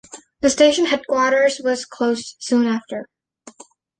The Station Headquarters was closed soon after.